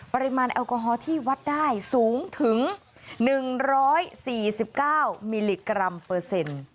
ปริมาณแอลกอฮอลที่วัดได้สูงถึง๑๔๙มิลลิกรัมเปอร์เซ็นต์